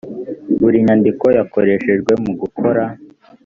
buri nyandiko yakoreshejwe mu gukora